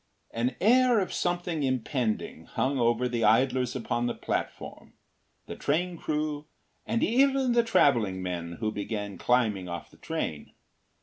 ” An air of something impending hung over the idlers upon the platform, the train crew, and even the travelling men who began climbing off the train.